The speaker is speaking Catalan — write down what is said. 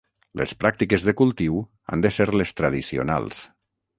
Les pràctiques de cultiu han de ser les tradicionals.